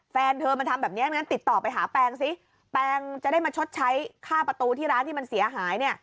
แฟนเธอมาทำแบบนี้งั้นติดต่อไปหาแปงซิแปงจะได้มาชดใช้ค่าประตูที่ร้านที่มันเสียหายเนี่ย